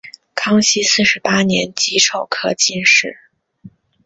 康熙四十八年己丑科进士。